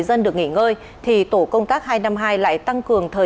vũ khí thô sơ cơ cụ ổ trợ